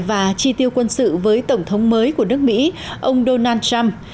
và chi tiêu quân sự với tổng thống mới của nước mỹ ông donald trump